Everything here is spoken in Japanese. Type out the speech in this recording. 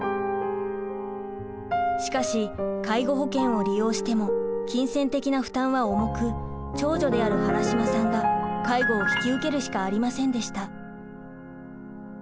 しかし介護保険を利用しても金銭的な負担は重く長女である原島さんが介護を引き受けるしかありませんでした。